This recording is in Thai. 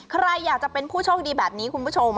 ใครอยากจะเป็นผู้โชคดีแบบนี้คุณผู้ชม